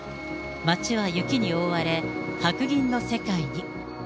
街は雪に覆われ、白銀の世界に。